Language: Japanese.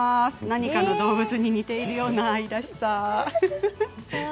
何かの動物に似ているような愛らしさ。